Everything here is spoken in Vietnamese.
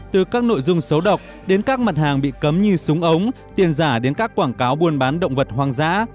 từ các nội dung xấu độc đến các mặt hàng bị cấm như súng ống tiền giả đến các quảng cáo buôn bán động vật hoang dã